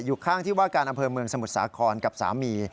อยู่ข้างที่ว่าการอำเภอเมืองสมุทรสาครกับสามี